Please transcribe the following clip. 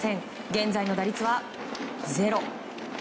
現在の打率はゼロ。